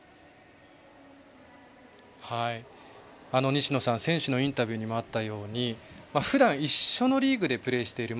西野さん選手のインタビューにもあったようにふだん一緒のリーグでプレーしている